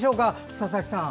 佐々木さん。